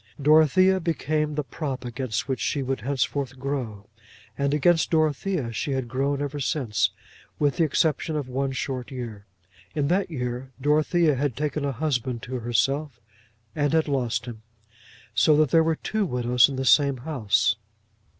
Dorothea became the prop against which she would henceforth grow. And against Dorothea she had grown ever since, with the exception of one short year. In that year Dorothea had taken a husband to herself and had lost him; so that there were two widows in the same house.